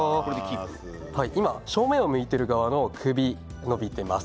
今正面を向いている側の首が伸びています。